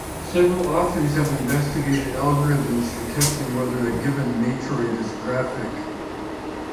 Several authors have investigated algorithms for testing whether a given matroid is graphic.